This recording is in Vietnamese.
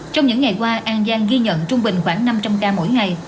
trong những ngày qua an giang ghi nhận trung bình khoảng năm trăm linh ca mỗi ngày